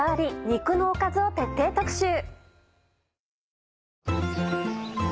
肉のおかずを徹底特集。